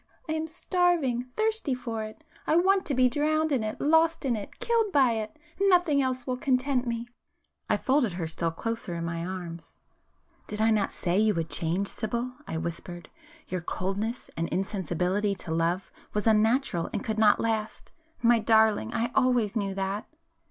I am starving, thirsting for it! I want to be drowned in it, lost in it, killed by it! Nothing else will content me!" I folded her still closer in my arms. [p 270]"Did I not say you would change, Sibyl?" I whispered—"Your coldness and insensibility to love was unnatural and could not last,—my darling, I always knew that!"